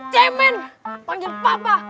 cemen panggil papa